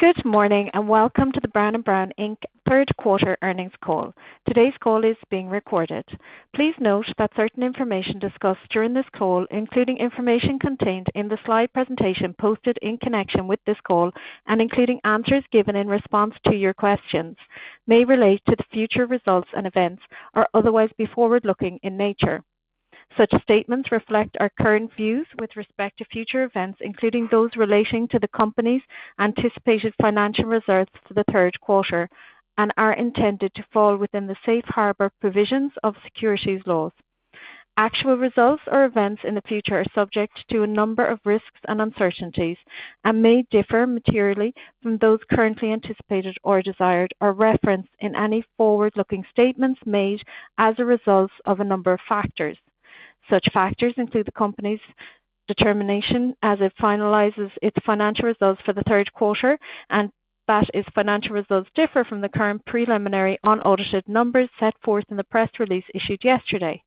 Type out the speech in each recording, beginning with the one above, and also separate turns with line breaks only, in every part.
Good morning, and welcome to the Brown & Brown, Inc. Third Quarter Earnings Call. Today's call is being recorded. Please note that certain information discussed during this call, including information contained in the slide presentation posted in connection with this call and including answers given in response to your questions, may relate to the future results and events or otherwise be forward-looking in nature. Such statements reflect our current views with respect to future events, including those relating to the company's anticipated financial results for the third quarter, and are intended to fall within the safe harbor provisions of securities laws. Actual results or events in the future are subject to a number of risks and uncertainties and may differ materially from those currently anticipated or desired or referenced in any forward-looking statements made as a result of a number of factors. Such factors include the company's determination as it finalizes its financial results for the third quarter, and that its financial results differ from the current preliminary unaudited numbers set forth in the press release issued yesterday.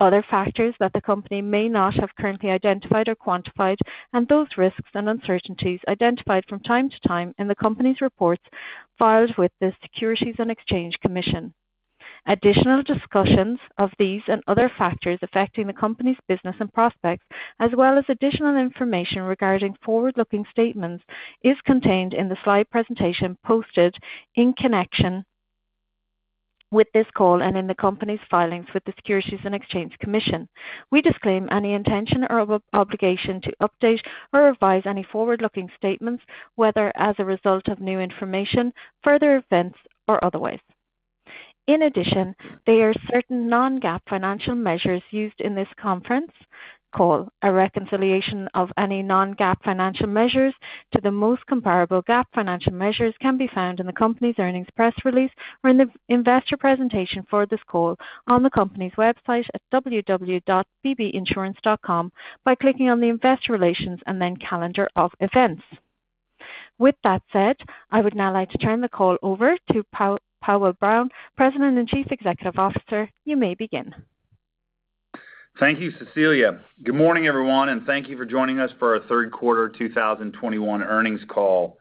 Other factors that the company may not have currently identified or quantified, and those risks and uncertainties identified from time to time in the company's reports filed with the Securities and Exchange Commission. Additional discussions of these and other factors affecting the company's business and prospects, as well as additional information regarding forward-looking statements, is contained in the slide presentation posted in connection with this call and in the company's filings with the Securities and Exchange Commission. We disclaim any intention or obligation to update or revise any forward-looking statements, whether as a result of new information, further events, or otherwise. In addition, there are certain non-GAAP financial measures used in this conference call. A reconciliation of any non-GAAP financial measures to the most comparable GAAP financial measures can be found in the company's earnings press release or in the investor presentation for this call on the company's website at www.bbinsurance.com by clicking on the Investor Relations and then Calendar of Events. With that said, I would now like to turn the call over to Powell Brown, President and Chief Executive Officer. You may begin.
Thank you, Cecilia. Good morning, everyone, and thank you for joining us for our third quarter 2021 earnings call.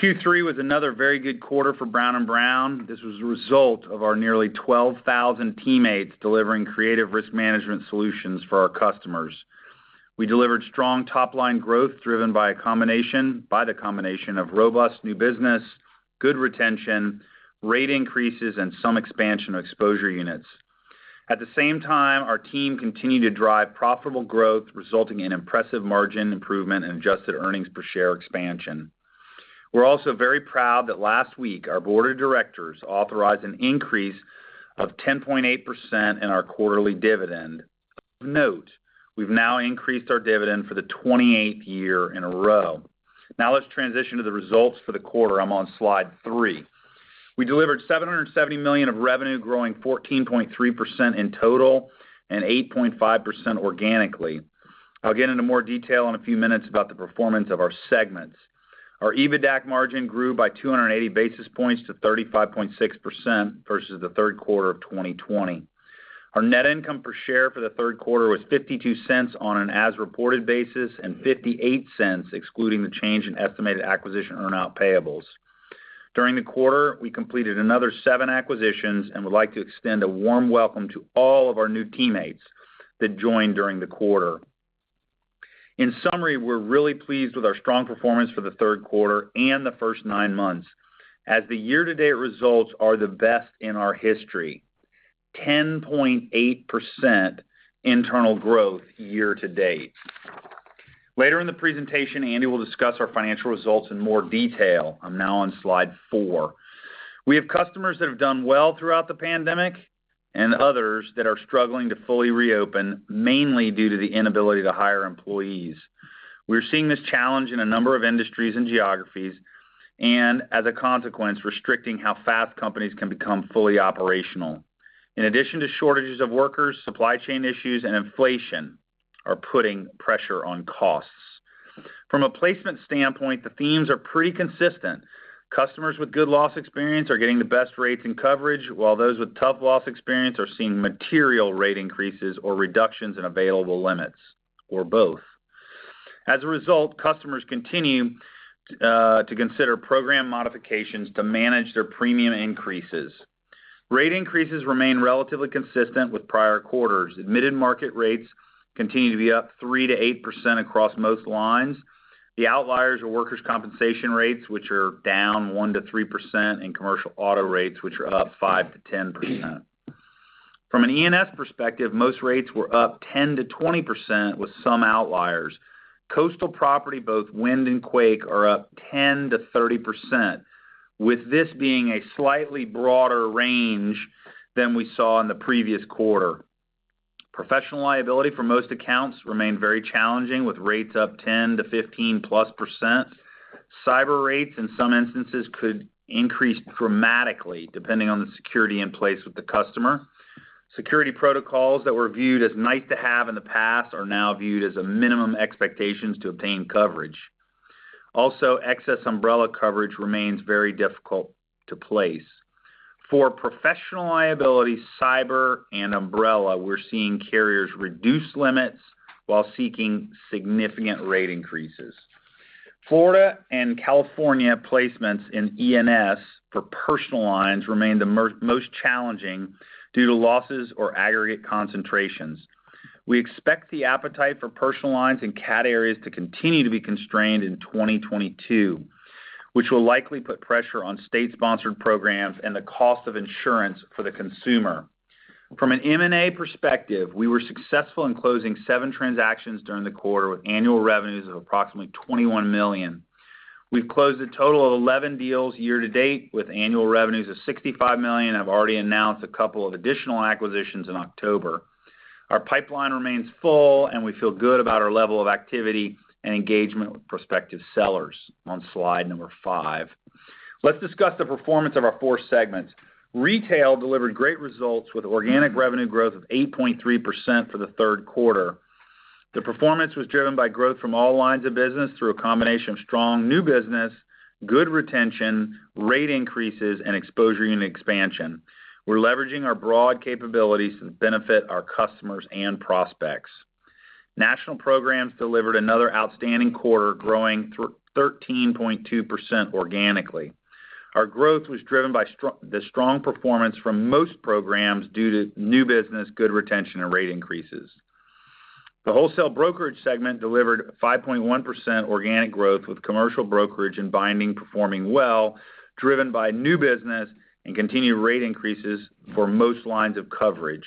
Q3 was another very good quarter for Brown & Brown. This was a result of our nearly 12,000 teammates delivering creative risk management solutions for our customers. We delivered strong top-line growth driven by the combination of robust new business, good retention, rate increases, and some expansion of exposure units. At the same time, our team continued to drive profitable growth, resulting in impressive margin improvement and adjusted earnings per share expansion. We're also very proud that last week our board of directors authorized an increase of 10.8% in our quarterly dividend. Of note, we've now increased our dividend for the 28th year in a row. Now let's transition to the results for the quarter. I'm on slide 3. We delivered $770 million of revenue, growing 14.3% in total and 8.5% organically. I'll get into more detail in a few minutes about the performance of our segments. Our EBITDA margin grew by 280 basis points to 35.6% versus the third quarter of 2020. Our net income per share for the third quarter was $0.52 on an as-reported basis, and $0.58 excluding the change in estimated acquisition earnout payables. During the quarter, we completed another seven acquisitions and would like to extend a warm welcome to all of our new teammates that joined during the quarter. In summary, we're really pleased with our strong performance for the third quarter and the first nine months, as the year-to-date results are the best in our history. 10.8% internal growth year to date. Later in the presentation, Andy will discuss our financial results in more detail. I'm now on slide 4. We have customers that have done well throughout the pandemic and others that are struggling to fully reopen, mainly due to the inability to hire employees. We're seeing this challenge in a number of industries and geographies and, as a consequence, restricting how fast companies can become fully operational. In addition to shortages of workers, supply chain issues and inflation are putting pressure on costs. From a placement standpoint, the themes are pretty consistent. Customers with good loss experience are getting the best rates and coverage, while those with tough loss experience are seeing material rate increases or reductions in available limits or both. As a result, customers continue to consider program modifications to manage their premium increases. Rate increases remain relatively consistent with prior quarters. Admitted market rates continue to be up 3%-8% across most lines. The outliers are workers' compensation rates, which are down 1%-3%, and commercial auto rates, which are up 5%-10%. From an E&S perspective, most rates were up 10%-20% with some outliers. Coastal property, both wind and quake, are up 10%-30%, with this being a slightly broader range than we saw in the previous quarter. Professional liability for most accounts remained very challenging, with rates up 10%-15+%. Cyber rates in some instances could increase dramatically depending on the security in place with the customer. Security protocols that were viewed as nice to have in the past are now viewed as a minimum expectations to obtain coverage. Also, excess umbrella coverage remains very difficult to place. For professional liability, cyber and umbrella, we're seeing carriers reduce limits while seeking significant rate increases. Florida and California placements in E&S for personal lines remain the most challenging due to losses or aggregate concentrations. We expect the appetite for personal lines in cat areas to continue to be constrained in 2022, which will likely put pressure on state-sponsored programs and the cost of insurance for the consumer. From an M&A perspective, we were successful in closing seven transactions during the quarter with annual revenues of approximately $21 million. We've closed a total of 11 deals year to date with annual revenues of $65 million and have already announced a couple of additional acquisitions in October. Our pipeline remains full, and we feel good about our level of activity and engagement with prospective sellers. On slide number 5. Let's discuss the performance of our four segments. Retail delivered great results with organic revenue growth of 8.3% for the third quarter. The performance was driven by growth from all lines of business through a combination of strong new business, good retention, rate increases, and exposure unit expansion. We're leveraging our broad capabilities to benefit our customers and prospects. National Programs delivered another outstanding quarter, growing 13.2% organically. Our growth was driven by the strong performance from most programs due to new business, good retention, and rate increases. The Wholesale Brokerage segment delivered 5.1% organic growth, with commercial brokerage and binding performing well, driven by new business and continued rate increases for most lines of coverage.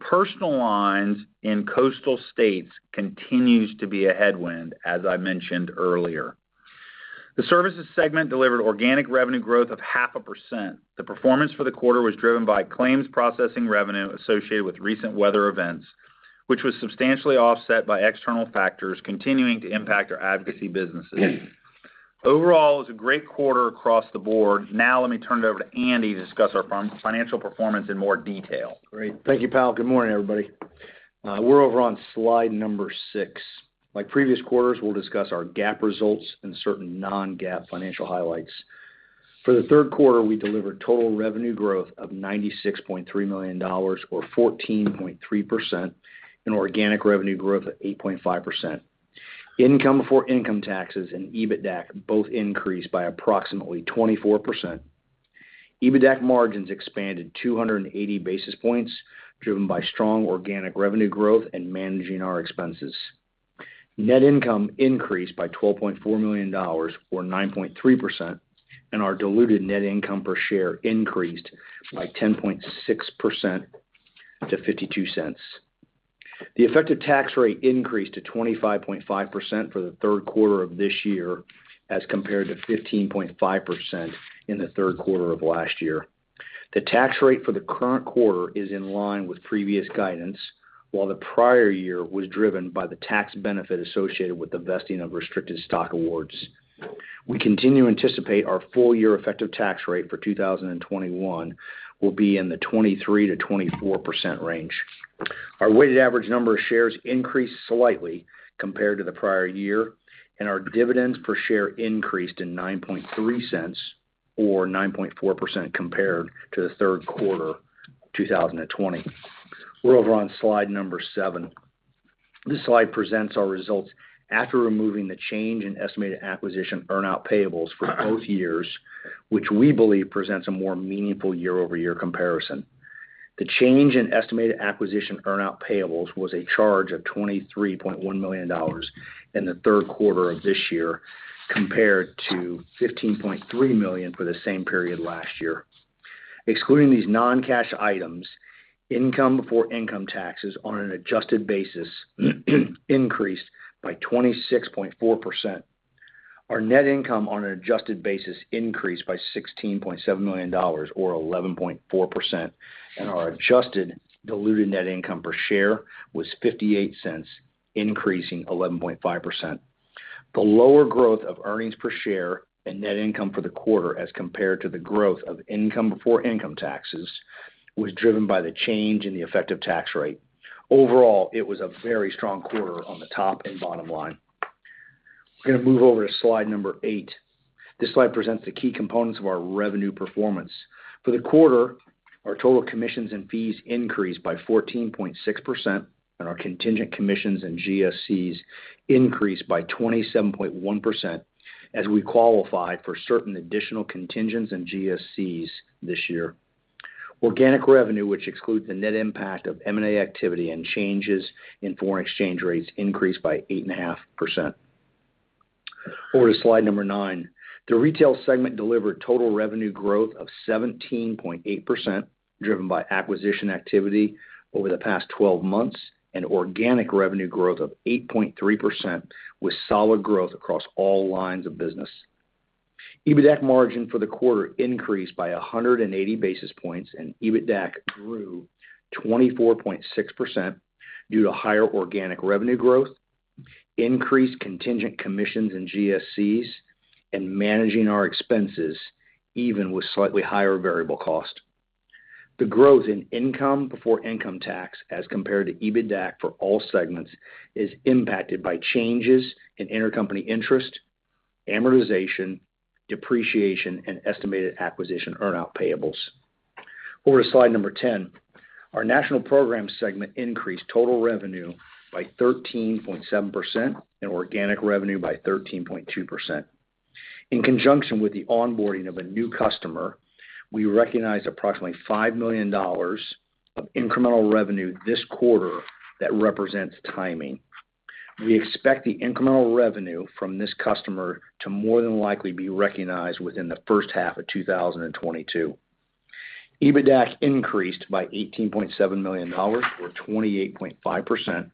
Personal lines in coastal states continues to be a headwind, as I mentioned earlier. The Services segment delivered organic revenue growth of 0.5%. The performance for the quarter was driven by claims processing revenue associated with recent weather events, which was substantially offset by external factors continuing to impact our advocacy businesses. Overall, it was a great quarter across the board. Now let me turn it over to Andy to discuss our financial performance in more detail.
Great. Thank you, Powell. Good morning, everybody. We're over on slide number 6. Like previous quarters, we'll discuss our GAAP results and certain non-GAAP financial highlights. For the third quarter, we delivered total revenue growth of $96.3 million or 14.3% and organic revenue growth of 8.5%. Income before income taxes and EBITDAC both increased by approximately 24%. EBITDAC margins expanded 280 basis points, driven by strong organic revenue growth and managing our expenses. Net income increased by $12.4 million or 9.3%, and our diluted net income per share increased by 10.6% to $0.52. The effective tax rate increased to 25.5% for the third quarter of this year as compared to 15.5% in the third quarter of last year. The tax rate for the current quarter is in line with previous guidance, while the prior year was driven by the tax benefit associated with the vesting of restricted stock awards. We continue to anticipate our full year effective tax rate for 2021 will be in the 23%-24% range. Our weighted average number of shares increased slightly compared to the prior year, and our dividends per share increased to $0.093 or 9.4% compared to the third quarter 2020. We're over on slide 7. This slide presents our results after removing the change in estimated acquisition earn out payables for both years, which we believe presents a more meaningful year-over-year comparison. The change in estimated acquisition earn out payables was a charge of $23.1 million in the third quarter of this year, compared to $15.3 million for the same period last year. Excluding these non-cash items, income before income taxes on an adjusted basis increased by 26.4%. Our net income on an adjusted basis increased by $16.7 million or 11.4%, and our adjusted diluted net income per share was $0.58, increasing 11.5%. The lower growth of earnings per share and net income for the quarter as compared to the growth of income before income taxes was driven by the change in the effective tax rate. Overall, it was a very strong quarter on the top and bottom line. We're gonna move over to slide 8. This slide presents the key components of our revenue performance. For the quarter, our total commissions and fees increased by 14.6%, and our contingent commissions and GSCs increased by 27.1% as we qualified for certain additional contingents and GSCs this year. Organic revenue, which excludes the net impact of M&A activity and changes in foreign exchange rates, increased by 8.5%. Over to slide 9. The Retail segment delivered total revenue growth of 17.8%, driven by acquisition activity over the past 12 months and organic revenue growth of 8.3%, with solid growth across all lines of business. EBITDAC margin for the quarter increased by 180 basis points, and EBITDAC grew 24.6% due to higher organic revenue growth, increased contingent commissions in GSCs, and managing our expenses even with slightly higher variable cost. The growth in income before income tax as compared to EBITDAC for all segments is impacted by changes in intercompany interest, amortization, depreciation, and estimated acquisition earn-out payables. Over to slide 10. Our national program segment increased total revenue by 13.7% and organic revenue by 13.2%. In conjunction with the onboarding of a new customer, we recognized approximately $5 million of incremental revenue this quarter that represents timing. We expect the incremental revenue from this customer to more than likely be recognized within the first half of 2022. EBITDAC increased by $18.7 million or 28.5%,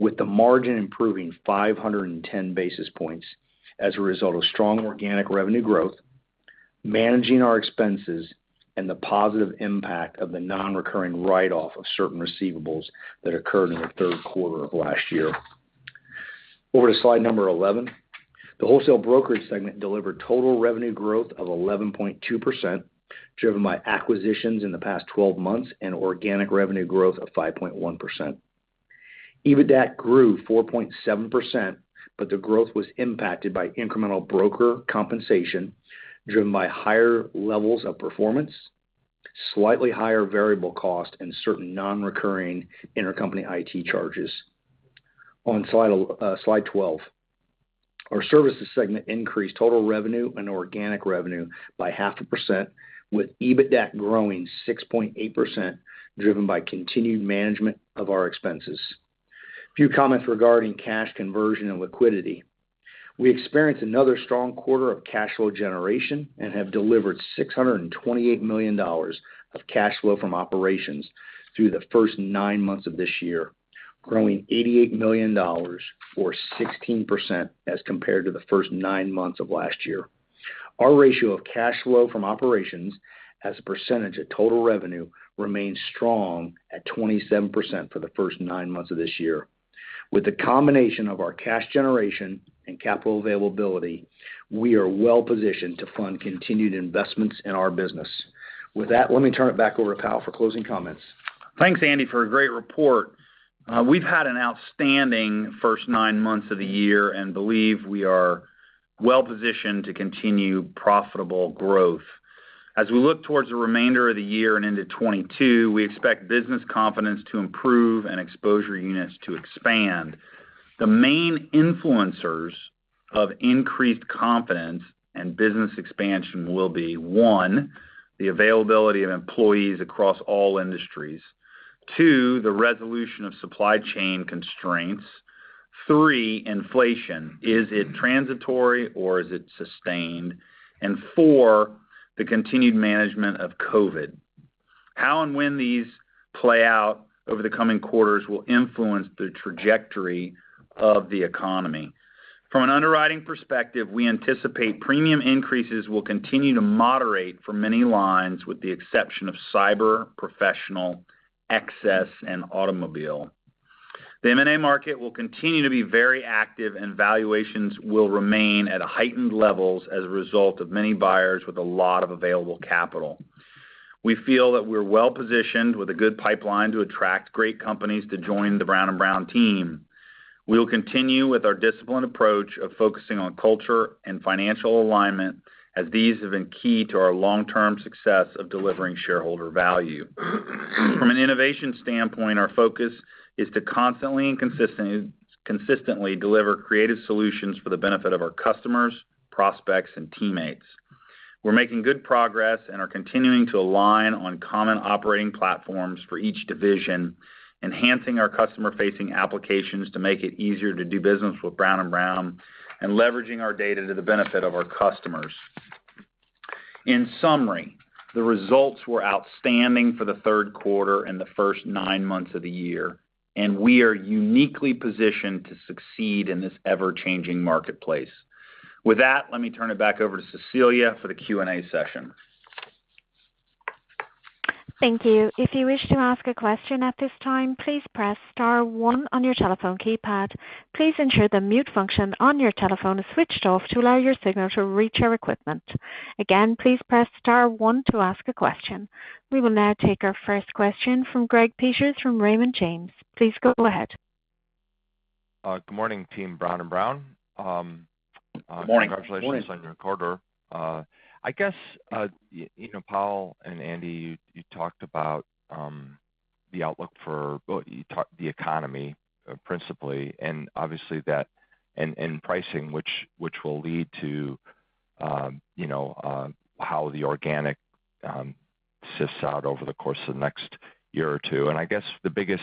with the margin improving 510 basis points as a result of strong organic revenue growth, managing our expenses, and the positive impact of the non-recurring write-off of certain receivables that occurred in the third quarter of last year. Over to slide 11. The wholesale brokerage segment delivered total revenue growth of 11.2%, driven by acquisitions in the past 12 months and organic revenue growth of 5.1%. EBITDAC grew 4.7%, but the growth was impacted by incremental broker compensation, driven by higher levels of performance, slightly higher variable cost, and certain non-recurring intercompany IT charges. On slide 12. Our services segment increased total revenue and organic revenue by 0.5%, with EBITDAC growing 6.8%, driven by continued management of our expenses. Few comments regarding cash conversion and liquidity. We experienced another strong quarter of cash flow generation and have delivered $628 million of cash flow from operations through the first nine months of this year, growing $88 million or 16% as compared to the first nine months of last year. Our ratio of cash flow from operations as a percentage of total revenue remains strong at 27% for the first nine months of this year. With the combination of our cash generation and capital availability, we are well positioned to fund continued investments in our business. With that, let me turn it back over to Powell for closing comments.
Thanks, Andy, for a great report. We've had an outstanding first nine months of the year and believe we are well positioned to continue profitable growth. As we look towards the remainder of the year and into 2022, we expect business confidence to improve and exposure units to expand. The main influencers of increased confidence and business expansion will be, one, the availability of employees across all industries. Two, the resolution of supply chain constraints. Three, inflation, is it transitory or is it sustained? And four, the continued management of COVID. How and when these play out over the coming quarters will influence the trajectory of the economy. From an underwriting perspective, we anticipate premium increases will continue to moderate for many lines, with the exception of cyber, professional, excess, and automobile. The M&A market will continue to be very active, and valuations will remain at heightened levels as a result of many buyers with a lot of available capital. We feel that we're well-positioned with a good pipeline to attract great companies to join the Brown & Brown team. We will continue with our disciplined approach of focusing on culture and financial alignment as these have been key to our long-term success of delivering shareholder value. From an innovation standpoint, our focus is to constantly and consistently deliver creative solutions for the benefit of our customers, prospects, and teammates. We're making good progress and are continuing to align on common operating platforms for each division, enhancing our customer-facing applications to make it easier to do business with Brown & Brown, and leveraging our data to the benefit of our customers. In summary, the results were outstanding for the third quarter and the first nine months of the year, and we are uniquely positioned to succeed in this ever-changing marketplace. With that, let me turn it back over to Cecilia for the Q&A session.
Thank you. If you wish to ask a question at this time, please press star one on your telephone keypad. Please ensure the mute function on your telephone is switched off to allow your signal to reach our equipment. Again, please press star one to ask a question. We will now take our first question from Greg Peters from Raymond James. Please go ahead.
Good morning, team Brown & Brown.
Good morning.
Good morning.
Congratulations on your quarter. I guess, you know, Powell and Andy, you talked about the outlook for, well, you talked about the economy principally, and obviously that and pricing which will lead to, you know, how the organic plays out over the course of the next year or two? I guess the biggest,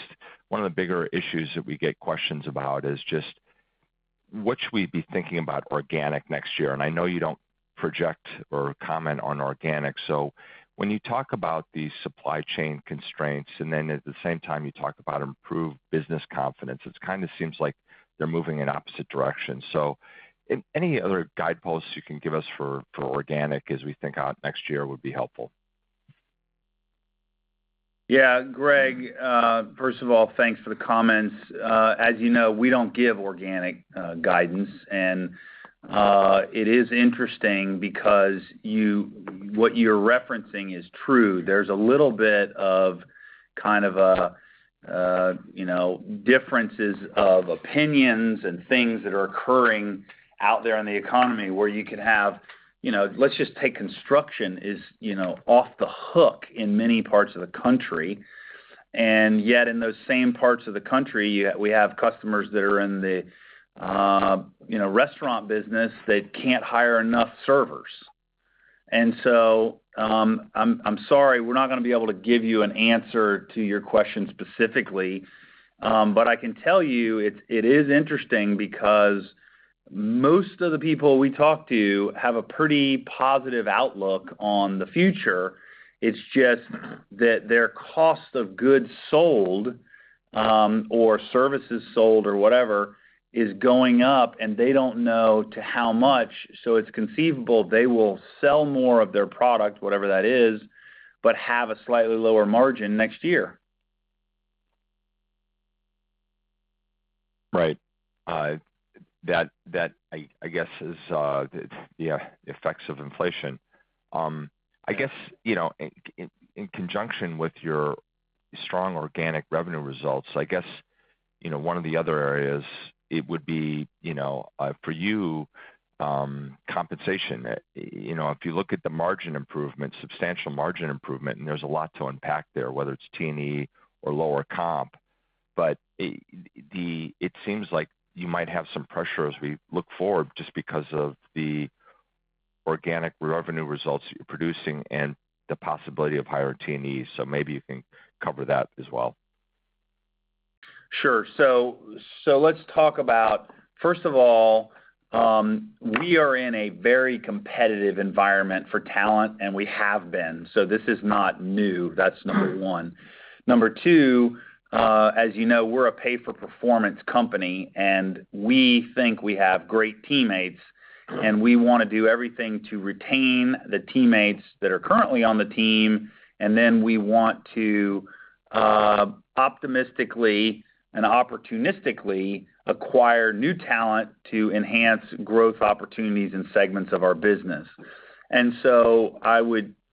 one of the bigger issues that we get questions about is just what should we be thinking about organic next year? I know you don't project or comment on organic. When you talk about these supply chain constraints, and then at the same time you talk about improved business confidence, it kind of seems like they're moving in opposite directions. Any other guideposts you can give us for organic as we think about next year would be helpful.
Yeah, Greg, first of all, thanks for the comments. As you know, we don't give organic guidance. It is interesting because what you're referencing is true. There's a little bit of kind of a you know, differences of opinions and things that are occurring out there in the economy where you could have, you know, let's just take construction is, you know, off the hook in many parts of the country. Yet in those same parts of the country, we have customers that are in the you know, restaurant business that can't hire enough servers. I'm sorry, we're not gonna be able to give you an answer to your question specifically. I can tell you, it is interesting because most of the people we talk to have a pretty positive outlook on the future. It's just that their cost of goods sold, or services sold or whatever is going up, and they don't know to how much. It's conceivable they will sell more of their product, whatever that is, but have a slightly lower margin next year.
Right. That, I guess, is the effects of inflation. I guess, you know, in conjunction with your strong organic revenue results, I guess, you know, one of the other areas it would be, you know, for you, compensation. You know, if you look at the margin improvement, substantial margin improvement, and there's a lot to unpack there, whether it's T&E or lower comp, but it seems like you might have some pressure as we look forward just because of the organic revenue results you're producing and the possibility of higher T&Es. Maybe you can cover that as well.
Sure. Let's talk about, first of all, we are in a very competitive environment for talent, and we have been, so this is not new. That's number one. Number two, as you know, we're a pay-for-performance company, and we think we have great teammates, and we wanna do everything to retain the teammates that are currently on the team. We want to, optimistically and opportunistically acquire new talent to enhance growth opportunities in segments of our business.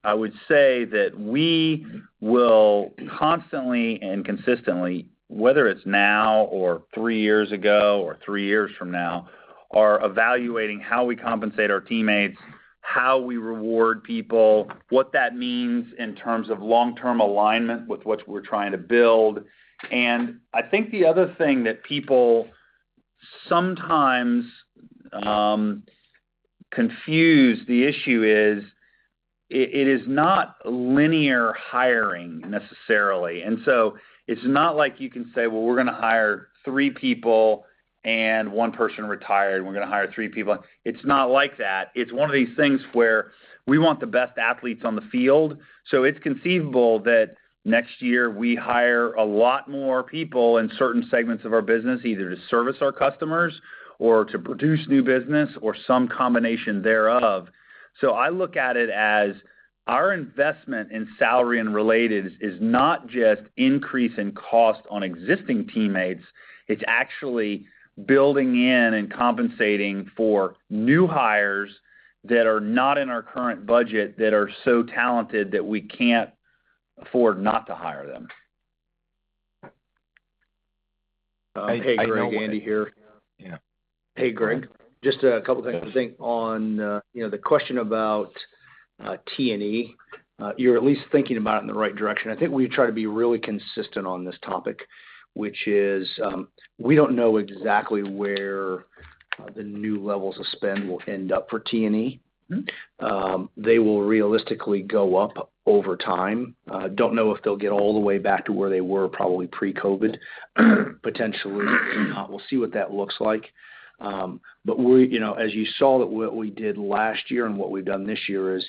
I would say that we will constantly and consistently, whether it's now or three years ago or three years from now, are evaluating how we compensate our teammates, how we reward people, what that means in terms of long-term alignment with what we're trying to build. I think the other thing that people sometimes confuse the issue is it is not linear hiring necessarily. It's not like you can say, "Well, we're gonna hire three people, and one person retired, we're gonna hire three people." It's not like that. It's one of these things where we want the best athletes on the field. It's conceivable that next year we hire a lot more people in certain segments of our business, either to service our customers or to produce new business or some combination thereof. I look at it as our investment in salary and related is not just increase in cost on existing teammates. It's actually building in and compensating for new hires that are not in our current budget that are so talented that we can't afford not to hire them.
Hey, Greg. Andy here.
Yeah.
Hey, Greg. Just a couple things I think on, you know, the question about T&E. You're at least thinking about it in the right direction. I think we try to be really consistent on this topic, which is, we don't know exactly where the new levels of spend will end up for T&E. They will realistically go up over time. Don't know if they'll get all the way back to where they were probably pre-COVID, potentially not. We'll see what that looks like. You know, as you saw what we did last year and what we've done this year is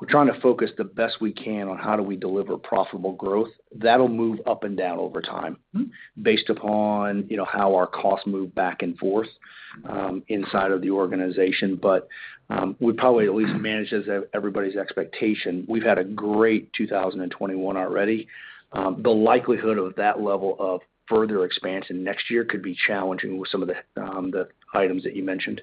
we're trying to focus the best we can on how do we deliver profitable growth. That'll move up and down over time based upon, you know, how our costs move back and forth inside of the organization. We probably at least manage this at everybody's expectation. We've had a great 2021 already. The likelihood of that level of further expansion next year could be challenging with some of the items that you mentioned.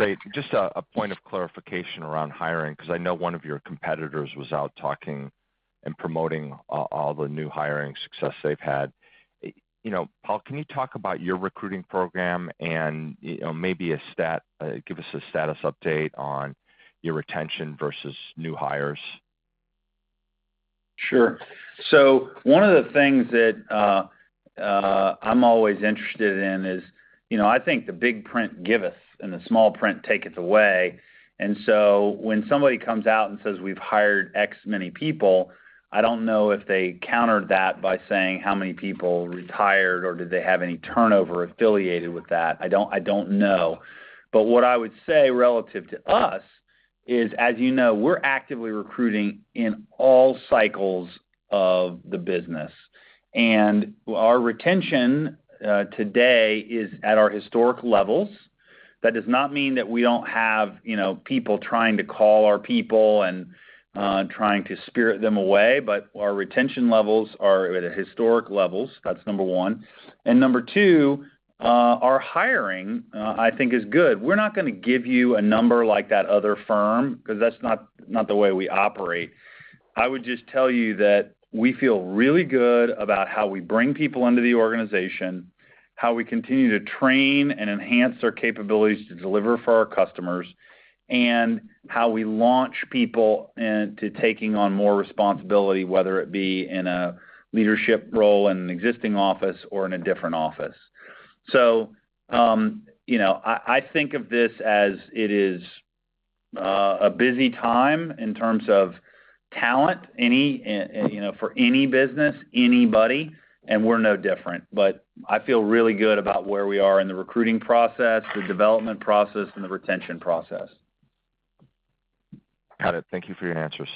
Great. Just a point of clarification around hiring, 'cause I know one of your competitors was out talking and promoting all the new hiring success they've had. You know, Powell, can you talk about your recruiting program and, you know, maybe give us a status update on your retention versus new hires?
Sure. One of the things that, I'm always interested in is, you know, I think the big print giveth and the small print taketh away. When somebody comes out and says, "We've hired X many people," I don't know if they countered that by saying how many people retired or did they have any turnover affiliated with that. I don't know. But what I would say relative to us is, as you know, we're actively recruiting in all cycles of the business. Our retention today is at our historic levels. That does not mean that we don't have, you know, people trying to call our people and trying to spirit them away, but our retention levels are at historic levels. That's number one. Number two, our hiring I think is good. We're not gonna give you a number like that other firm 'cause that's not the way we operate. I would just tell you that we feel really good about how we bring people into the organization, how we continue to train and enhance their capabilities to deliver for our customers, and how we launch people and to taking on more responsibility, whether it be in a leadership role in an existing office or in a different office. You know, I think of this as it is a busy time in terms of talent, you know, for any business, anybody, and we're no different. I feel really good about where we are in the recruiting process, the development process, and the retention process.
Got it. Thank you for your answers.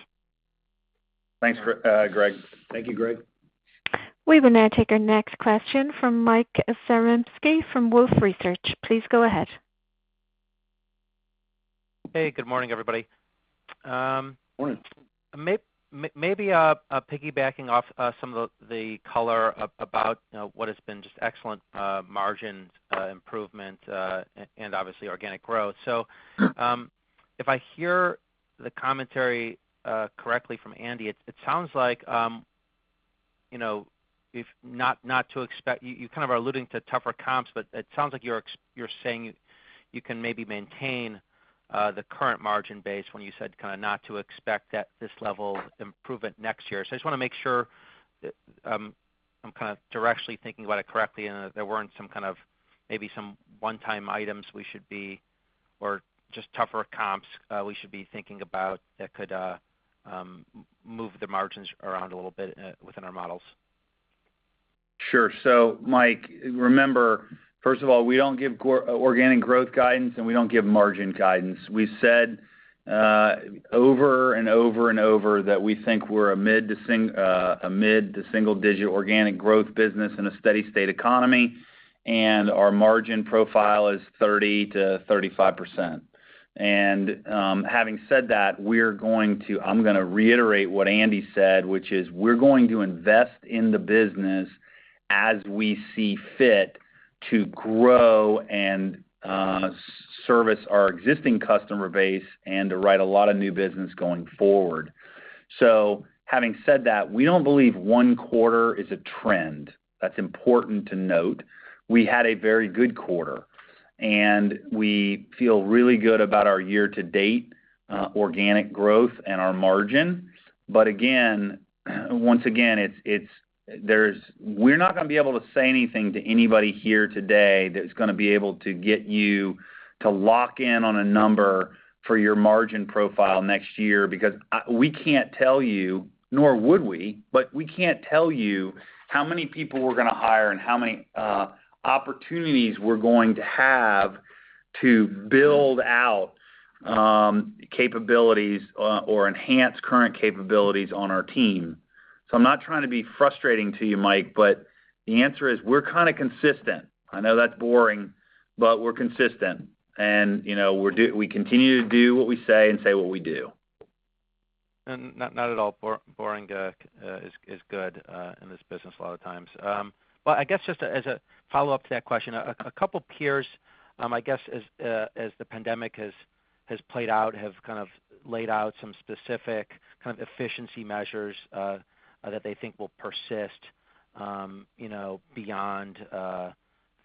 Thanks, Greg.
Thank you, Greg.
We will now take our next question from Mike Zaremski from Wolfe Research. Please go ahead.
Hey, good morning, everybody.
Morning.
Maybe piggybacking off some of the color about what has been just excellent margins improvement and obviously organic growth. If I hear the commentary correctly from Andy, it sounds like you know you kind of are alluding to tougher comps, but it sounds like you're saying you can maybe maintain the current margin base when you said kind of not to expect at this level improvement next year. I just want to make sure that I'm kind of directionally thinking about it correctly and that there weren't some kind of maybe some one-time items we should be or just tougher comps we should be thinking about that could move the margins around a little bit within our models.
Sure. Mike, remember, first of all, we don't give organic growth guidance, and we don't give margin guidance. We said over and over and over that we think we're a mid to single-digit organic growth business in a steady state economy, and our margin profile is 30%-35%. Having said that, I'm going to reiterate what Andy said, which is we're going to invest in the business as we see fit to grow and service our existing customer base and to write a lot of new business going forward. Having said that, we don't believe one quarter is a trend. That's important to note. We had a very good quarter, and we feel really good about our year-to-date organic growth and our margin. We're not going to be able to say anything to anybody here today that's going to be able to get you to lock in on a number for your margin profile next year because we can't tell you, nor would we, but we can't tell you how many people we're going to hire and how many opportunities we're going to have to build out capabilities or enhance current capabilities on our team. So I'm not trying to be frustrating to you, Mike, but the answer is we're kind of consistent. I know that's boring, but we're consistent. You know, we continue to do what we say and say what we do.
Not at all. Boring is good in this business a lot of times. I guess just as a follow-up to that question, a couple peers, I guess as the pandemic has played out, have kind of laid out some specific kind of efficiency measures that they think will persist, you know, beyond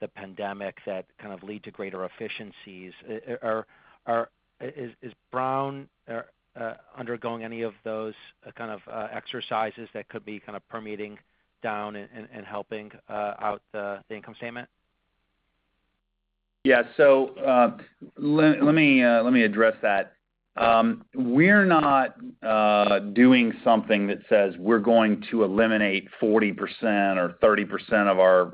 the pandemic that kind of lead to greater efficiencies. Is Brown undergoing any of those kind of exercises that could be kind of permeating down and helping out the income statement?
Yeah. Let me address that. We're not doing something that says we're going to eliminate 40% or 30% of our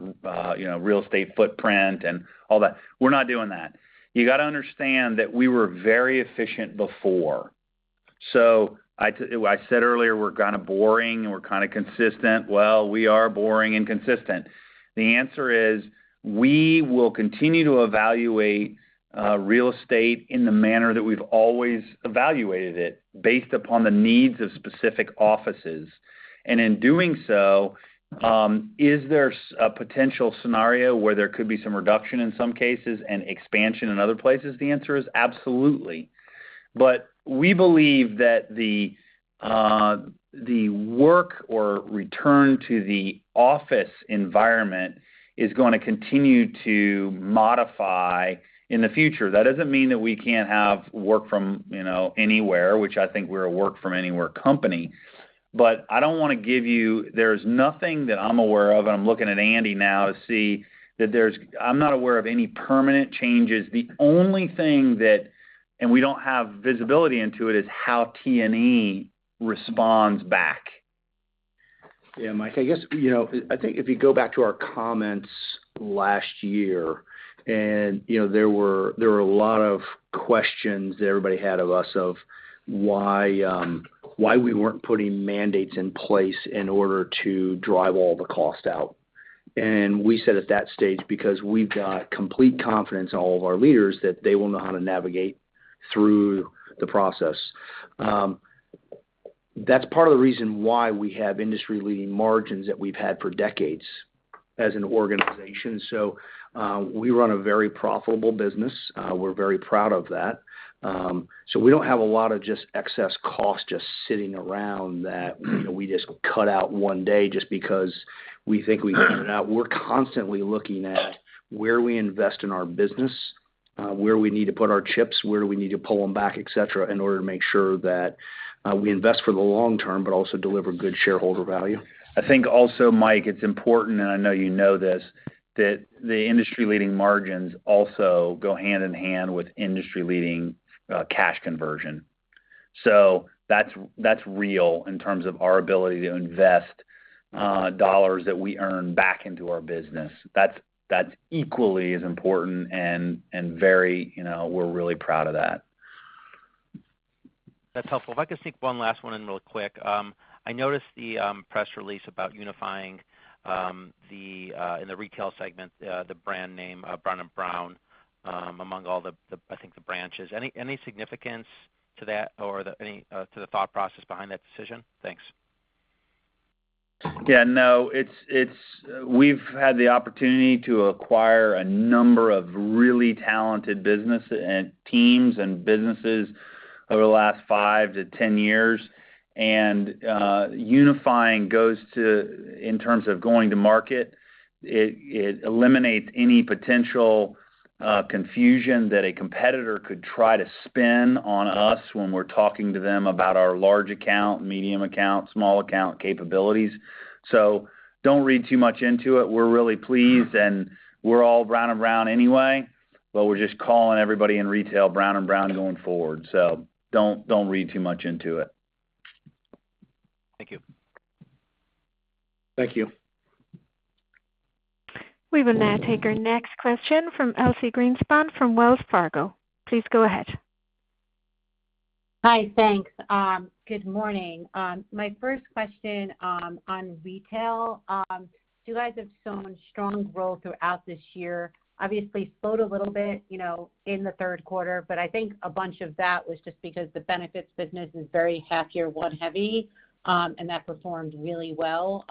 real estate footprint and all that. We're not doing that. You got to understand that we were very efficient before. I said earlier, we're kind of boring, and we're kind of consistent. Well, we are boring and consistent. The answer is, we will continue to evaluate real estate in the manner that we've always evaluated it based upon the needs of specific offices. In doing so, is there a potential scenario where there could be some reduction in some cases and expansion in other places? The answer is absolutely. We believe that the workforce return to the office environment is going to continue to modify in the future. That doesn't mean that we can't have work from, you know, anywhere, which I think we're a work from anywhere company. There's nothing that I'm aware of, and I'm looking at Andy now. I'm not aware of any permanent changes. The only thing that, and we don't have visibility into it, is how T&E responds back.
Yeah, Mike, I guess, you know, I think if you go back to our comments last year and, you know, there were a lot of questions that everybody had of us of why we weren't putting mandates in place in order to drive all the costs out. We said at that stage, because we've got complete confidence in all of our leaders that they will know how to navigate through the process. That's part of the reason why we have industry-leading margins that we've had for decades. As an organization. We run a very profitable business, we're very proud of that. We don't have a lot of just excess costs just sitting around that, you know, we just cut out one day just because we think we can. We're constantly looking at where we invest in our business, where we need to put our chips, where we need to pull them back, et cetera, in order to make sure that, we invest for the long term, but also deliver good shareholder value.
I think also, Mike, it's important, and I know you know this, that the industry-leading margins also go hand in hand with industry-leading cash conversion. That's real in terms of our ability to invest dollars that we earn back into our business. That's equally as important and very, you know, we're really proud of that.
That's helpful. If I could sneak one last one in real quick. I noticed the press release about unifying in the retail segment the brand name Brown & Brown among all the I think the branches. Any significance to that or any to the thought process behind that decision? Thanks.
Yeah, no, it's. We've had the opportunity to acquire a number of really talented business and teams and businesses over the last five to 10 years. Unifying goes to, in terms of going to market, it eliminates any potential confusion that a competitor could try to spin on us when we're talking to them about our large account, medium account, small account capabilities. Don't read too much into it. We're really pleased, and we're all Brown & Brown anyway, but we're just calling everybody in retail Brown & Brown going forward. Don't read too much into it.
Thank you.
Thank you.
We will now take our next question from Elyse Greenspan from Wells Fargo. Please go ahead.
Hi. Thanks. Good morning. My first question, on retail. You guys have shown strong growth throughout this year, obviously slowed a little bit, you know, in the third quarter, but I think a bunch of that was just because the benefits business is very half year one heavy, and that performed really well.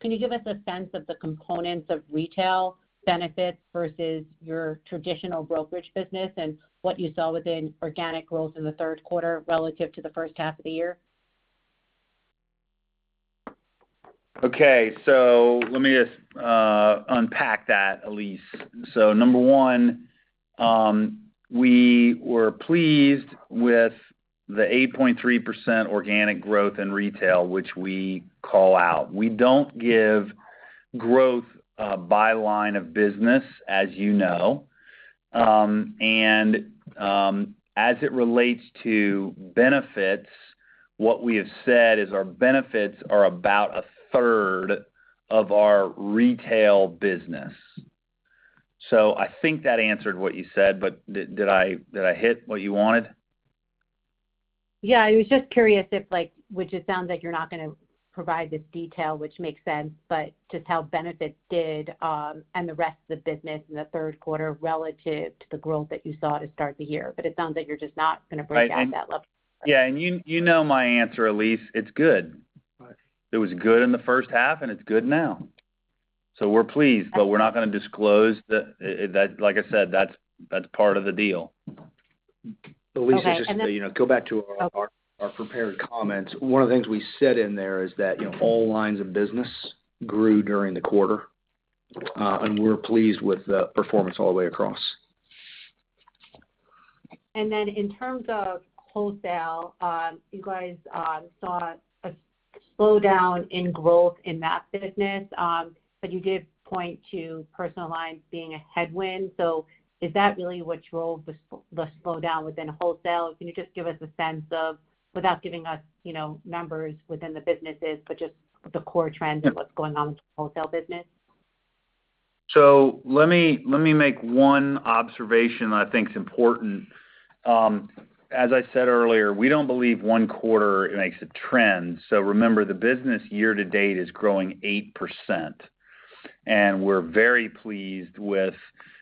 Can you give us a sense of the components of retail benefits versus your traditional brokerage business and what you saw within organic growth in the third quarter relative to the first half of the year?
Okay. Let me just unpack that, Elyse. Number one, we were pleased with the 8.3% organic growth in retail, which we call out. We don't give growth by line of business, as you know. As it relates to benefits, what we have said is our benefits are about a third of our retail business. I think that answered what you said, but did I hit what you wanted?
Yeah. I was just curious if like, which it sounds like you're not gonna provide this detail, which makes sense, but just how benefits did, and the rest of the business in the third quarter relative to the growth that you saw to start the year. It sounds like you're just not gonna break out that level.
Yeah. You know, my answer, Elyse, it's good. It was good in the first half, and it's good now. We're pleased, but we're not gonna disclose that, like I said, that's part of the deal.
Okay.
Elyse, just to you know go back to our prepared comments. One of the things we said in there is that you know all lines of business grew during the quarter and we're pleased with the performance all the way across.
In terms of wholesale, you guys saw a slowdown in growth in that business, but you did point to personal lines being a headwind. Is that really what drove the slowdown within wholesale? Can you just give us a sense of, without giving us, you know, numbers within the businesses, but just the core trends of what's going on with the wholesale business?
Let me make one observation that I think is important. As I said earlier, we don't believe one quarter makes a trend. Remember, the business year to date is growing 8%, and we're very pleased with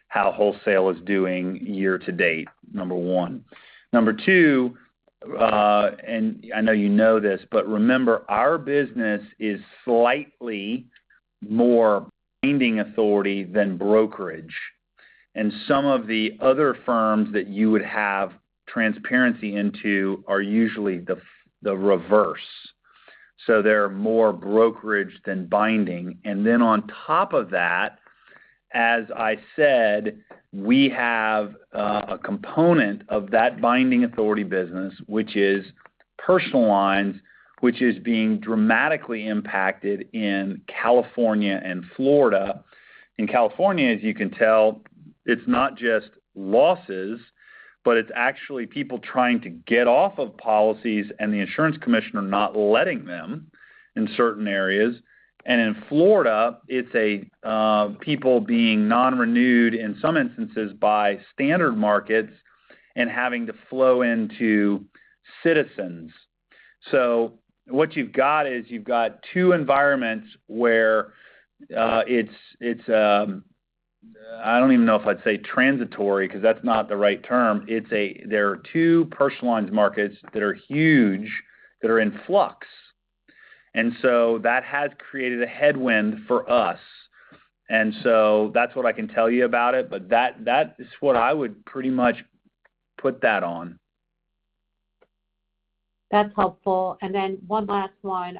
how wholesale is doing year to date, number one. Number two, and I know you know this, but remember our business is slightly more binding authority than brokerage. Some of the other firms that you would have transparency into are usually the reverse. They're more brokerage than binding. On top of that, as I said, we have a component of that binding authority business, which is personal lines, which is being dramatically impacted in California and Florida. In California, as you can tell, it's not just losses, but it's actually people trying to get off of policies and the insurance commissioner not letting them in certain areas. In Florida, it's people being non-renewed in some instances by standard markets and having to flow into citizens. What you've got is two environments where I don't even know if I'd say transitory 'cause that's not the right term. There are two personal lines markets that are huge that are in flux, and that has created a headwind for us. That's what I can tell you about it, but that is what I would pretty much put that on.
That's helpful. Then one last one.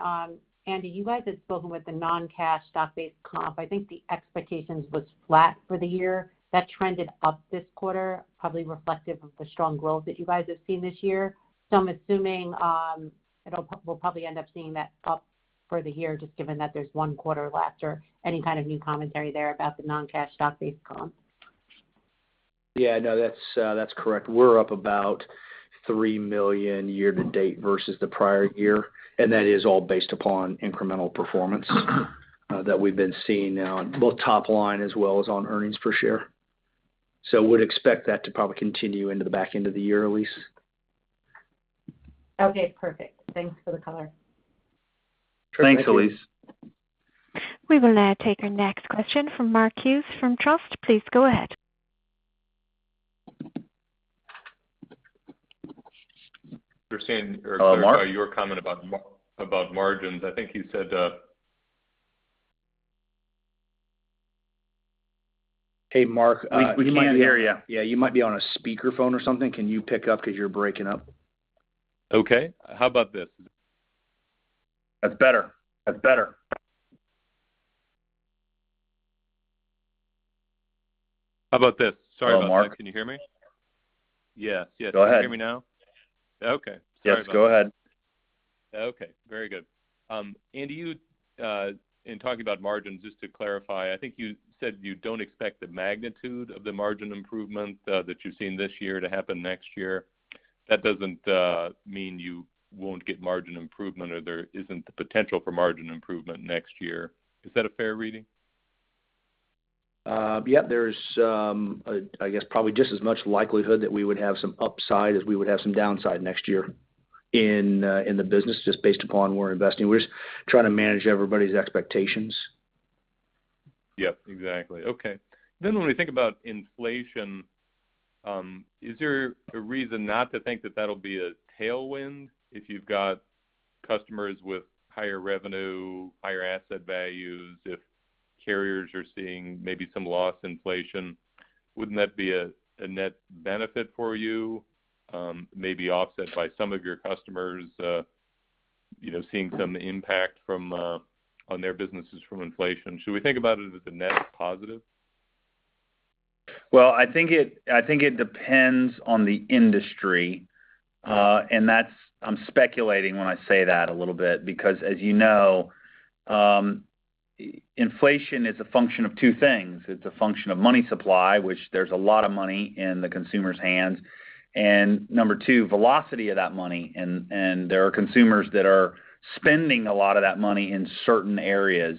Andy, you guys have spoken with the non-cash stock-based comp. I think the expectations was flat for the year. That trended up this quarter, probably reflective of the strong growth that you guys have seen this year. I'm assuming, we'll probably end up seeing that up for the year just given that there's one quarter left or any kind of new commentary there about the non-cash stock-based comp.
Yeah, no, that's correct. We're up about $3 million year to date versus the prior year, and that is all based upon incremental performance that we've been seeing now on both top line as well as on earnings per share. Would expect that to probably continue into the back end of the year, Elyse.
Okay, perfect. Thanks for the color.
Thanks, Elyse.
We will now take our next question from Mark Hughes from Truist. Please go ahead.
We're seeing...
Hello, Mark?
...your comment about margins. I think you said...
Hey, Mark, we can't hear you. Yeah, you might be on a speakerphone or something. Can you pick up? 'Cause you're breaking up.
Okay. How about this?
That's better.
How about this? Sorry about that.
Hello, Mark.
Can you hear me?
Yes. Yes. Go ahead.
Can you hear me now? Okay. Sorry about that.
Yes, go ahead.
Okay. Very good. Andy, in talking about margins, just to clarify, I think you said you don't expect the magnitude of the margin improvement that you've seen this year to happen next year. That doesn't mean you won't get margin improvement or there isn't the potential for margin improvement next year. Is that a fair reading?
Yeah, there's, I guess, probably just as much likelihood that we would have some upside as we would have some downside next year in the business, just based upon where we're investing. We're just trying to manage everybody's expectations.
Yep, exactly. Okay. When we think about inflation, is there a reason not to think that that'll be a tailwind if you've got customers with higher revenue, higher asset values. If carriers are seeing maybe some loss inflation, wouldn't that be a net benefit for you, maybe offset by some of your customers, you know, seeing some impact from inflation on their businesses from inflation? Should we think about it as a net positive?
Well, I think it depends on the industry. I'm speculating when I say that a little bit because as you know, inflation is a function of two things. It's a function of money supply, which there's a lot of money in the consumer's hands. Number two, velocity of that money and there are consumers that are spending a lot of that money in certain areas.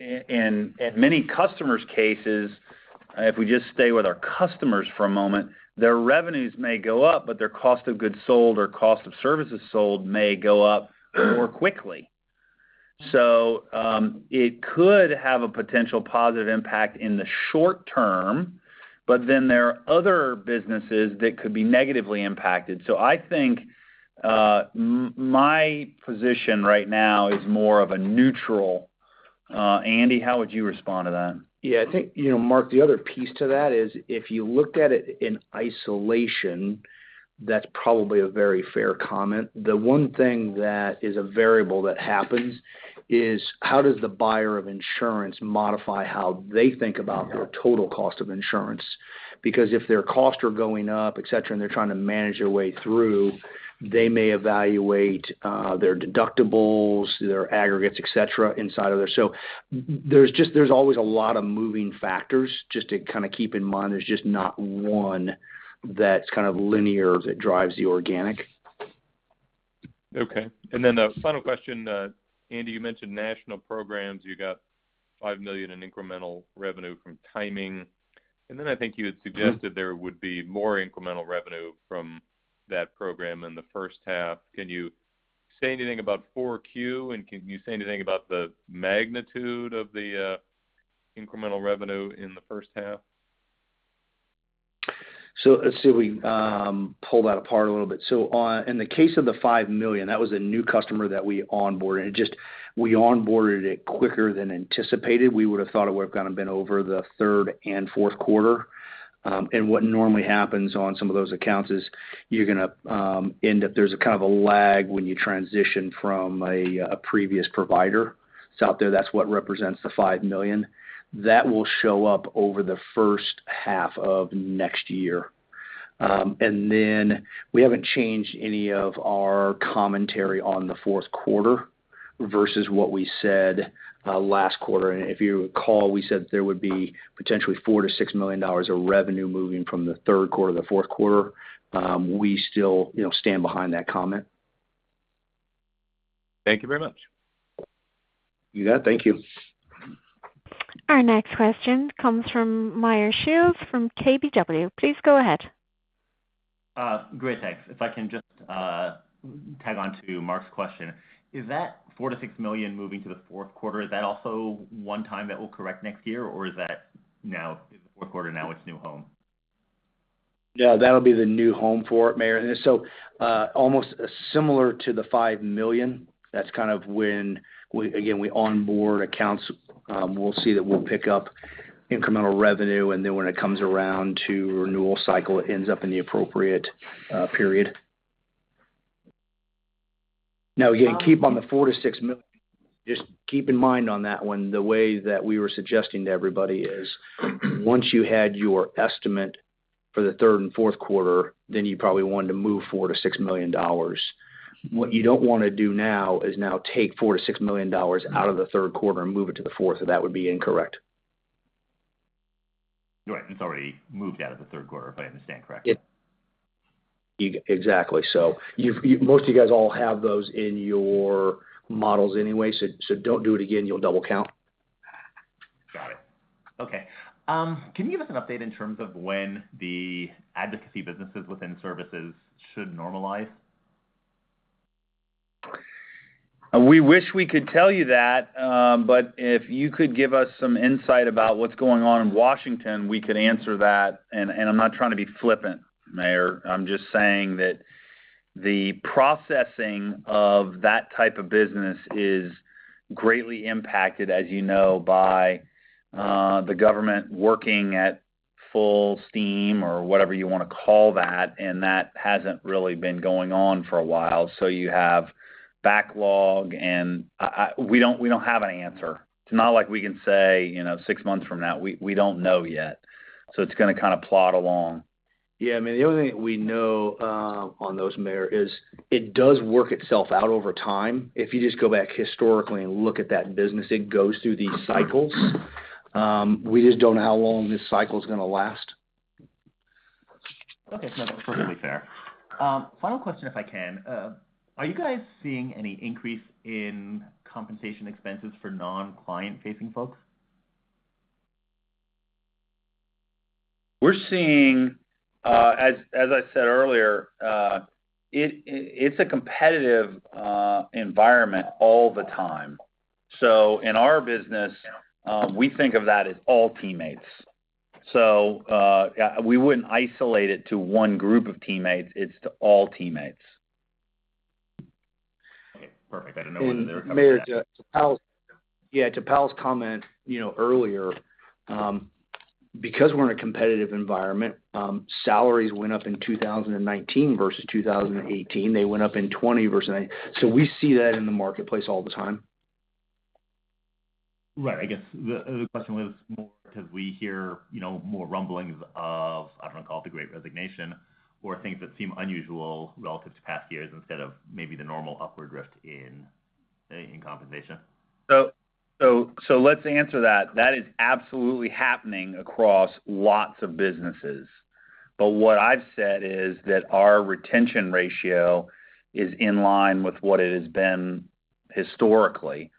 In many customers' cases, if we just stay with our customers for a moment, their revenues may go up, but their cost of goods sold or cost of services sold may go up more quickly. It could have a potential positive impact in the short term, but then there are other businesses that could be negatively impacted. I think my position right now is more of a neutral. Andy, how would you respond to that?
Yeah, I think, you know, Mark, the other piece to that is if you looked at it in isolation, that's probably a very fair comment. The one thing that is a variable that happens is how does the buyer of insurance modify how they think about their total cost of insurance? Because if their costs are going up, et cetera, and they're trying to manage their way through, they may evaluate their deductibles, their aggregates, et cetera, inside of there. So there's always a lot of moving factors just to kind of keep in mind. There's just not one that's kind of linear that drives the organic.
Okay. A final question. Andy, you mentioned national programs. You got $5 million in incremental revenue from timing. I think you had suggested there would be more incremental revenue from that program in the first half. Can you say anything about 4Q, and can you say anything about the magnitude of the incremental revenue in the first half?
Let's see. We pull that apart a little bit. In the case of the $5 million, that was a new customer that we onboarded. We onboarded it quicker than anticipated. We would have thought it would have kind of been over the third and fourth quarter. What normally happens on some of those accounts is there's a kind of lag when you transition from a previous provider. Out there, that's what represents the $5 million. That will show up over the first half of next year. Then we haven't changed any of our commentary on the fourth quarter versus what we said last quarter. If you recall, we said there would be potentially $4 million-$6 million of revenue moving from the third quarter to the fourth quarter. We still, you know, stand behind that comment.
Thank you very much.
You got it. Thank you.
Our next question comes from Meyer Shields from KBW. Please go ahead.
Great, thanks. If I can just tag on to Mark's question. Is that $4 million-$6 million moving to the fourth quarter also one time that we'll correct next year or is that now in the fourth quarter now it's new home?
Yeah, that'll be the new home for it, Meyer. Almost similar to the $5 million, that's kind of when we again onboard accounts, we'll see that we'll pick up incremental revenue, and then when it comes around to renewal cycle, it ends up in the appropriate period. Now, again, just keep in mind on that one, the way that we were suggesting to everybody is once you had your estimate for the third and fourth quarter, then you probably want to move $4 million-$6 million. What you don't wanna do now is take $4 million-$6 million out of the third quarter and move it to the fourth, so that would be incorrect.
Right. It's already moved out of the third quarter, if I understand correctly.
Exactly. Most of you guys all have those in your models anyway, so don't do it again, you'll double count.
Got it. Okay. Can you give us an update in terms of when the advocacy businesses within services should normalize?
We wish we could tell you that, but if you could give us some insight about what's going on in Washington, we could answer that. I'm not trying to be flippant, Meyer. I'm just saying that the processing of that type of business is greatly impacted, as you know, by the government working at full steam or whatever you wanna call that, and that hasn't really been going on for a while. You have backlog. We don't have an answer. It's not like we can say, you know, six months from now. We don't know yet. It's gonna kinda plod along.
Yeah, I mean, the only thing we know on those, Meyer, is it does work itself out over time. If you just go back historically and look at that business, it goes through these cycles. We just don't know how long this cycle's gonna last.
Okay. No, that's perfectly fair. Final question, if I can. Are you guys seeing any increase in compensation expenses for non-client-facing folks?
We're seeing, as I said earlier, it's a competitive environment all the time. In our business, we think of that as all teammates. Yeah, we wouldn't isolate it to one group of teammates, it's to all teammates.
Okay, perfect. I didn't know whether it covered that.
Meyer, to Powell's comment, you know, earlier, because we're in a competitive environment, salaries went up in 2019 versus 2018. They went up in 2020 versus 2019. We see that in the marketplace all the time.
Right. I guess the question was more 'cause we hear, you know, more rumblings of, I don't call it the great resignation or things that seem unusual relative to past years instead of maybe the normal upward rift in compensation.
Let's answer that. That is absolutely happening across lots of businesses. What I've said is that our retention ratio is in line with what it has been historically.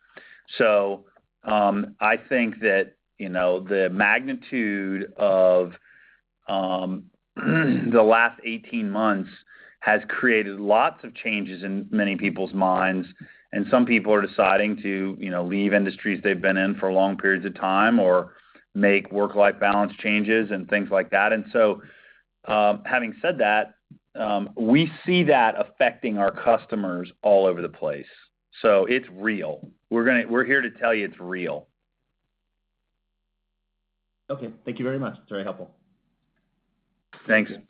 I think that, you know, the magnitude of the last 18 months has created lots of changes in many people's minds, and some people are deciding to, you know, leave industries they've been in for long periods of time or make work-life balance changes and things like that. Having said that, we see that affecting our customers all over the place. It's real. We're here to tell you it's real.
Okay. Thank you very much. It's very helpful.
Thanks.
Thanks.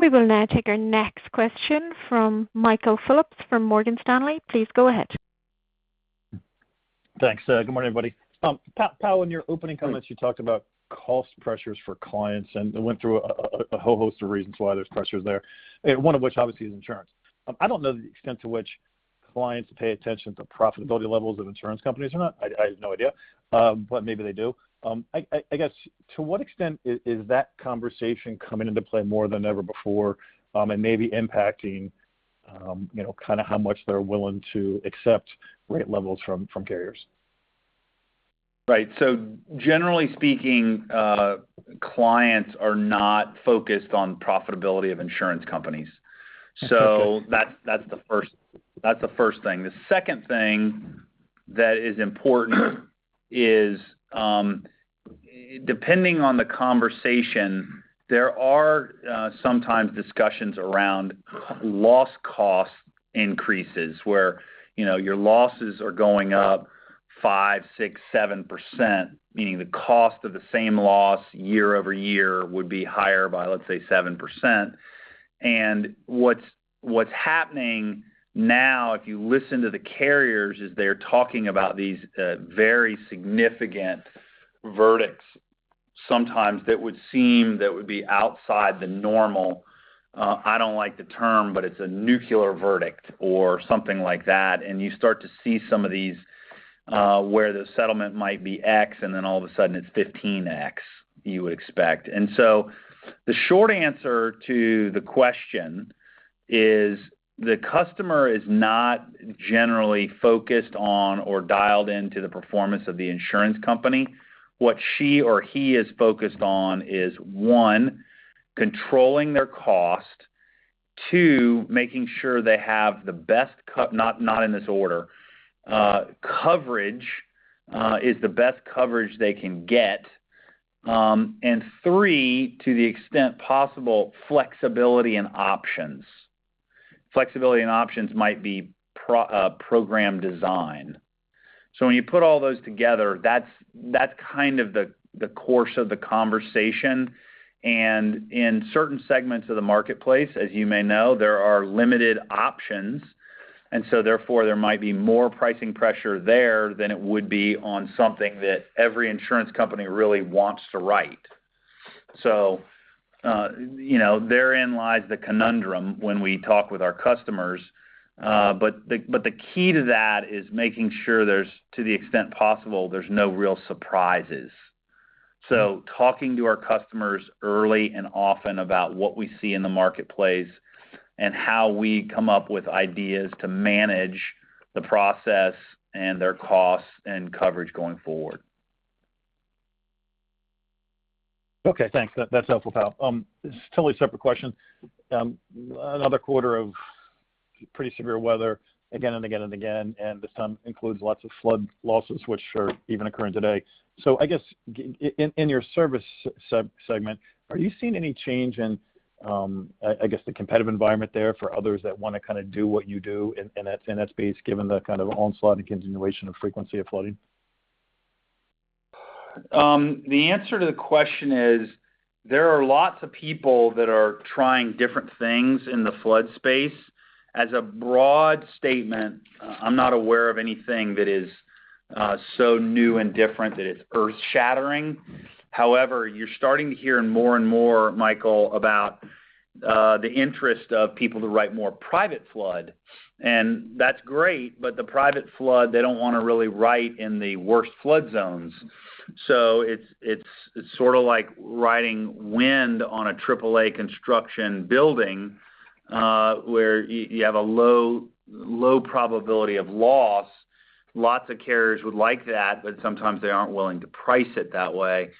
We will now take our next question from Michael Phillips from Morgan Stanley. Please go ahead.
Thanks. Good morning, everybody. Powell, in your opening comments, you talked about cost pressures for clients and went through a whole host of reasons why there's pressures there. One of which, obviously, is insurance. I don't know the extent to which clients pay attention to profitability levels of insurance companies or not. I have no idea. But maybe they do. I guess to what extent is that conversation coming into play more than ever before, and maybe impacting, you know, kinda how much they're willing to accept rate levels from carriers?
Right. Generally speaking, clients are not focused on profitability of insurance companies.
Okay.
That's the first thing. The second thing that is important is, depending on the conversation, there are, sometimes discussions around loss cost increases, where, you know, your losses are going up 5%, 6%, 7%, meaning the cost of the same loss year over year would be higher by, let's say, 7%. What's happening now, if you listen to the carriers, is they're talking about these, very significant verdicts sometimes that would seem to be outside the normal, I don't like the term, but it's a nuclear verdict or something like that. You start to see some of these, where the settlement might be X, and then all of a sudden it's 15X you would expect. The short answer to the question is the customer is not generally focused on or dialed in to the performance of the insurance company. What she or he is focused on is, one, controlling their cost. Two, making sure they have the best coverage, not in this order. Coverage is the best coverage they can get. Three, to the extent possible, flexibility and options. Flexibility and options might be program design. When you put all those together, that's kind of the course of the conversation. In certain segments of the marketplace, as you may know, there are limited options, and so therefore, there might be more pricing pressure there than it would be on something that every insurance company really wants to write. You know, therein lies the conundrum when we talk with our customers. The key to that is making sure there's, to the extent possible, there's no real surprises. Talking to our customers early and often about what we see in the marketplace and how we come up with ideas to manage the process and their costs and coverage going forward.
Okay, thanks. That's helpful, Powell. Just totally separate question. Another quarter of pretty severe weather again and again and again, and this time includes lots of flood losses, which are even occurring today. I guess in your service segment, are you seeing any change in the competitive environment there for others that wanna kinda do what you do in that space, given the kind of onslaught and continuation of frequency of flooding?
The answer to the question is, there are lots of people that are trying different things in the flood space. As a broad statement, I'm not aware of anything that is so new and different that it's earth-shattering. However, you're starting to hear more and more, Michael, about the interest of people to write more private flood. That's great, but the private flood, they don't wanna really write in the worst flood zones. It's sort of like writing wind on a triple A construction building, where you have a low probability of loss. Lots of carriers would like that, but sometimes they aren't willing to price it that way.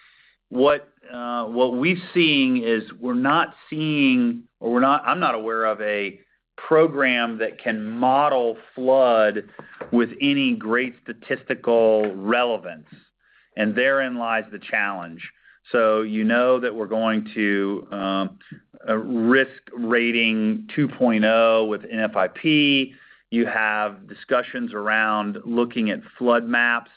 What we've seen is I'm not aware of a program that can model flood with any great statistical relevance, and therein lies the challenge. You know that we're going to a Risk Rating 2.0 with NFIP. You have discussions around looking at flood maps,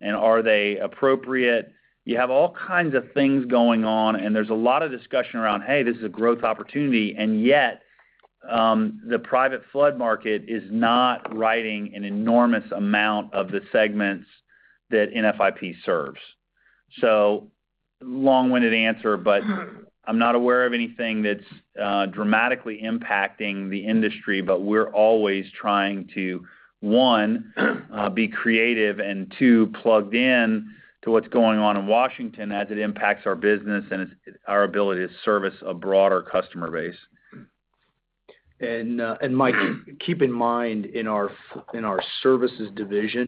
and are they appropriate? You have all kinds of things going on, and there's a lot of discussion around, "Hey, this is a growth opportunity." Yet, the private flood market is not writing an enormous amount of the segments that NFIP serves. Long-winded answer, but I'm not aware of anything that's dramatically impacting the industry, but we're always trying to, one, be creative, and two, plugged in to what's going on in Washington as it impacts our business and it's our ability to service a broader customer base.
Mike, keep in mind, in our services division,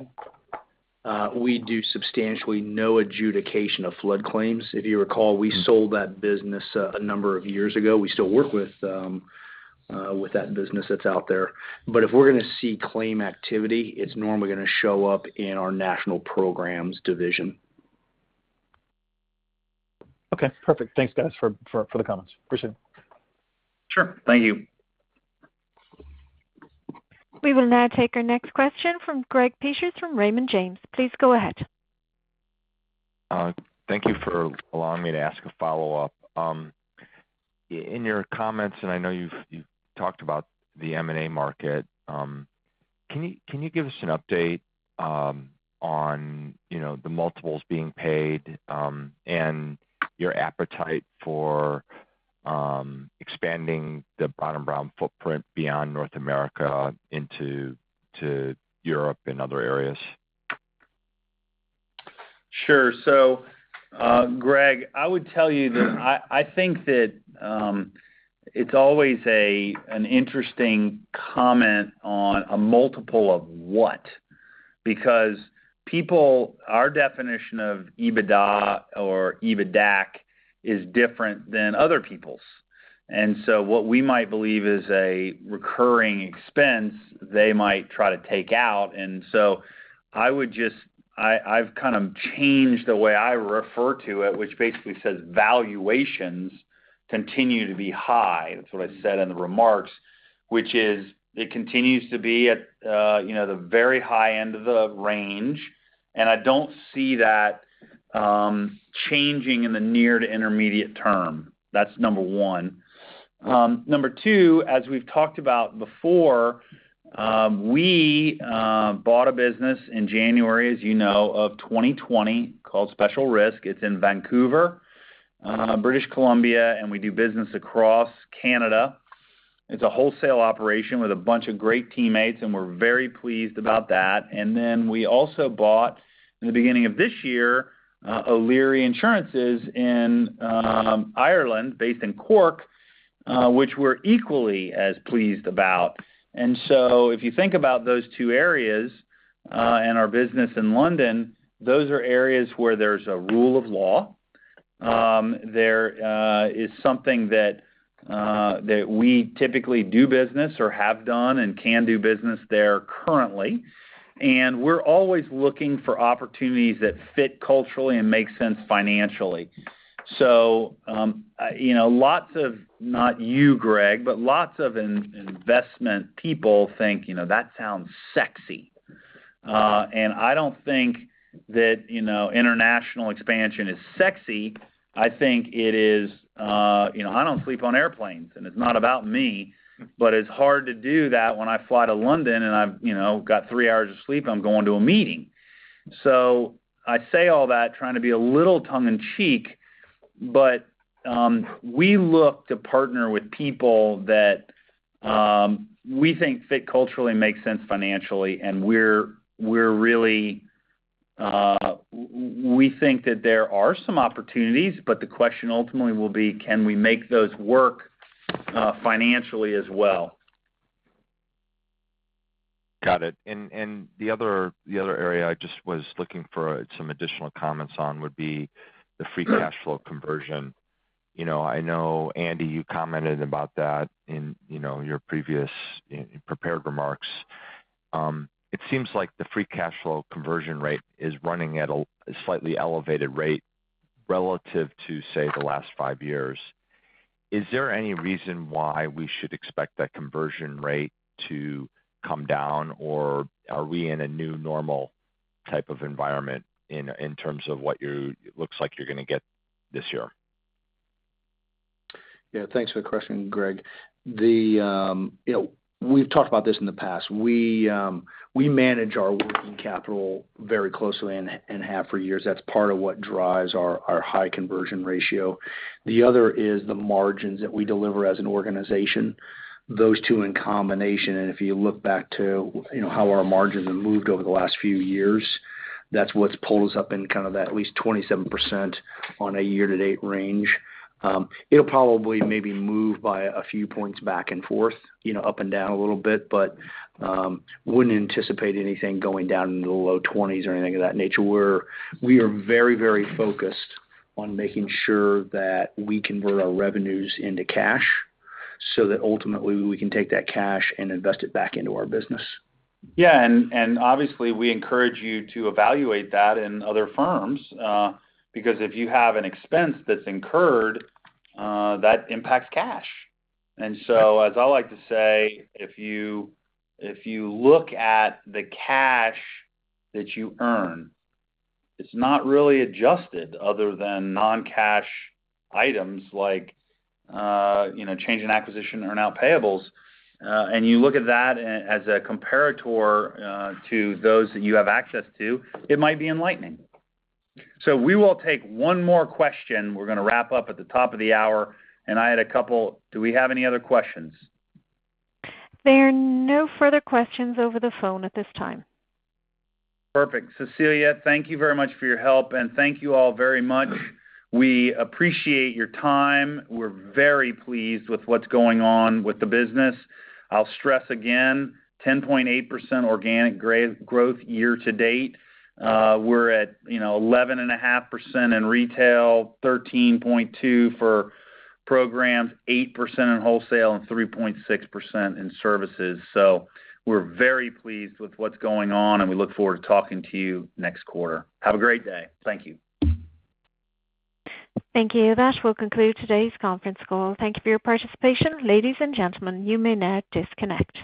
we do substantially no adjudication of flood claims. If you recall, we sold that business a number of years ago. We still work with that business that's out there. If we're gonna see claim activity, it's normally gonna show up in our national programs division.
Okay, perfect. Thanks, guys, for the comments. Appreciate it.
Sure. Thank you.
We will now take our next question from Greg Peters from Raymond James. Please go ahead.
Thank you for allowing me to ask a follow-up. In your comments, I know you've talked about the M&A market. Can you give us an update on, you know, the multiples being paid and your appetite for expanding the Brown & Brown footprint beyond North America to Europe and other areas?
Greg, I would tell you that I think that it's always an interesting comment on a multiple of what? Because people. Our definition of EBITDA or EBITDAC is different than other people's. What we might believe is a recurring expense, they might try to take out. I would just. I've kind of changed the way I refer to it, which basically says valuations continue to be high. That's what I said in the remarks, which is it continues to be at, you know, the very high end of the range, and I don't see that changing in the near to intermediate term. That's number one. Number two, as we've talked about before, we bought a business in January, as you know, of 2020 called Special Risk. It's in Vancouver, British Columbia, and we do business across Canada. It's a wholesale operation with a bunch of great teammates, and we're very pleased about that. Then we also bought, in the beginning of this year, O'Leary Insurances in Ireland, based in Cork, which we're equally as pleased about. If you think about those two areas and our business in London, those are areas where there's a rule of law. There is something that we typically do business or have done and can do business there currently, and we're always looking for opportunities that fit culturally and make sense financially. You know, lots of, not you, Greg, but lots of investment people think, you know, that sounds sexy. I don't think that, you know, international expansion is sexy. I think it is, you know, I don't sleep on airplanes, and it's not about me, but it's hard to do that when I fly to London and I've, you know, got three hours of sleep, and I'm going to a meeting. I say all that trying to be a little tongue in cheek, but, we look to partner with people that, we think fit culturally and make sense financially. We're really, we think that there are some opportunities, but the question ultimately will be, can we make those work, financially as well?
Got it. The other area I just was looking for some additional comments on would be the free cash flow conversion. You know, I know, Andy, you commented about that in, you know, your previous prepared remarks. It seems like the free cash flow conversion rate is running at a slightly elevated rate relative to, say, the last five years. Is there any reason why we should expect that conversion rate to come down, or are we in a new normal type of environment in terms of it looks like you're gonna get this year?
Yeah. Thanks for the question, Greg. You know, we've talked about this in the past. We manage our working capital very closely and have for years. That's part of what drives our high conversion ratio. The other is the margins that we deliver as an organization. Those two in combination, and if you look back to you know, how our margins have moved over the last few years, that's what's pulled us up in kind of that at least 27% on a year-to-date range. It'll probably maybe move by a few points back and forth, you know, up and down a little bit, but wouldn't anticipate anything going down into the low 20s% or anything of that nature. We are very, very focused on making sure that we convert our revenues into cash so that ultimately we can take that cash and invest it back into our business.
Yeah. Obviously, we encourage you to evaluate that in other firms, because if you have an expense that's incurred, that impacts cash. As I like to say, if you look at the cash that you earn, it's not really adjusted other than non-cash items like, you know, change in accounts receivable or accounts payable. You look at that as a comparator to those that you have access to, it might be enlightening. We will take one more question. We're gonna wrap up at the top of the hour, and I had a couple. Do we have any other questions?
There are no further questions over the phone at this time.
Perfect. Cecilia, thank you very much for your help, and thank you all very much. We appreciate your time. We're very pleased with what's going on with the business. I'll stress again, 10.8% organic growth year to date. We're at, you know, 11.5% in retail, 13.2% for programs, 8% in wholesale, and 3.6% in services. We're very pleased with what's going on, and we look forward to talking to you next quarter. Have a great day. Thank you.
Thank you. That will conclude today's conference call. Thank you for your participation. Ladies and gentlemen, you may now disconnect.